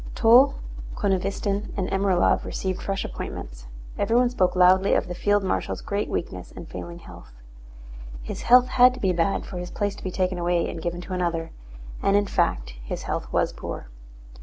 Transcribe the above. Toll, Konovnítsyn, and Ermólov received fresh appointments. Everyone spoke loudly of the field marshal's great weakness and failing health. His health had to be bad for his place to be taken away and given to another. And in fact his health was poor.